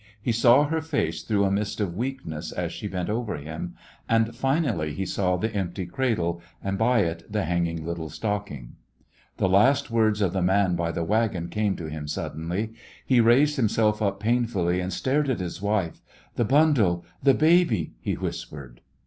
He saw her face through a mist of weakness as she bent over him. And finally he saw the empty cradle, and by it the hanging little stocking. The last words of the man by the wagon came to him suddenly. He raised himself up painfully and stared at his wife. "The bundle— the baby—" he whispered.